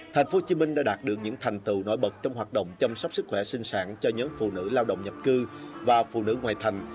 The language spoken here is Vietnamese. tp hcm đã đạt được những thành tựu nổi bật trong hoạt động chăm sóc sức khỏe sinh sản cho nhóm phụ nữ lao động nhập cư và phụ nữ ngoài thành